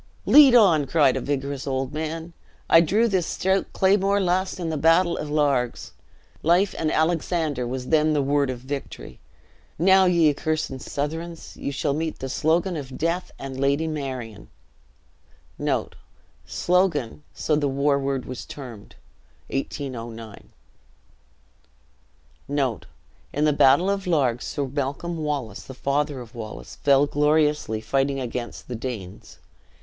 "Lead on!" cried a vigorous old man. "I drew this stout claymore last in the battle of Largs. Life and Alexander was then the word of victory: now, ye accursed Southrons, ye shall meet the slogan* [* Slogan, (so the war word was termed. (1809.)] of Death and Lady Marion." In the battle of Largs, Sir Malcolm Wallace, the father of Wallace, fell gloriously fighting against the Danes.